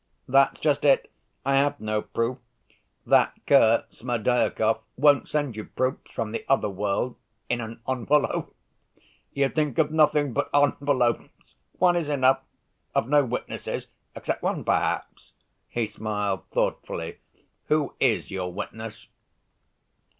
"That's just it. I have no proof. That cur Smerdyakov won't send you proofs from the other world ... in an envelope. You think of nothing but envelopes—one is enough. I've no witnesses ... except one, perhaps," he smiled thoughtfully. "Who is your witness?"